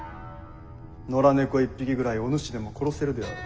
野良猫一匹ぐらいお主でも殺せるであろう。